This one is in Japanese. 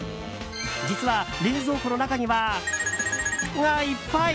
実は冷蔵庫の中には○○がいっぱい。